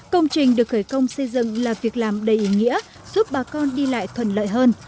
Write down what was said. công trình được khởi công xây dựng là việc làm đầy ý nghĩa giúp bà con đi lại thuận lợi hơn